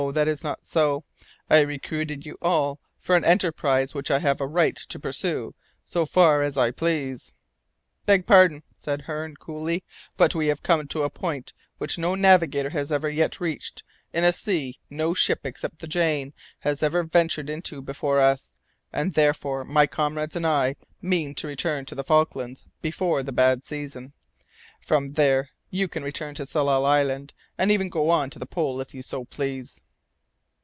That is not so. I recruited you all for an enterprise which I have a right to pursue, so far as I please." "Beg pardon," said Hearne, coolly, "but we have come to a point which no navigator has ever yet reached, in a sea, no ship except the Jane has ever ventured into before us, and therefore my comrades and I mean to return to the Falklands before the bad season. From there you can return to Tsalal Island, and even go on to the Pole, if you so please."